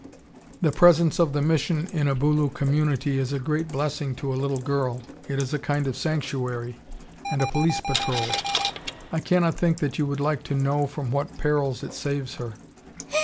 The presence of the Mission in a Bulu community is a great blessing to a little girl. It is a kind of sanctuary and a police patrol. I cannot think that you would like to know from what perils it saves her....